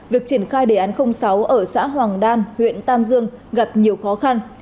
việc triển khai đề án sáu ở xã hoàng đan huyện tam dương gặp nhiều khó khăn